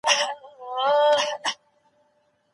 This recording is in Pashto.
څېړنه انسان ته د رښتیا موندلو ځواک وربخښي.